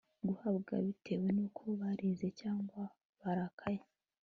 guhabwa bitewe nuko barize cyangwa barakaye